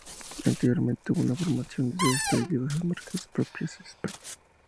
Anteriormente tuvo una formación de sastre y diversas marcas propias en España.